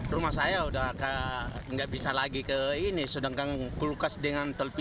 rumah saya sudah tidak bisa lagi ke ini sedangkan kulkas dengan telpik